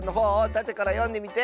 たてからよんでみて！